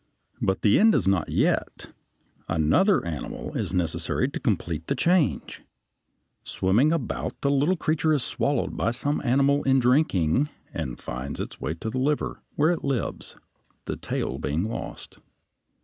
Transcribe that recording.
But the end is not yet; another animal is necessary to complete the change. Swimming about, the little creature is swallowed by some animal in drinking, and finds its way to the liver, where it lives, the tail being lost.